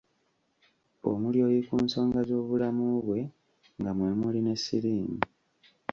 Omulyoyi ku nsonga z’obulamu bwe nga mwe muli ne siriimu.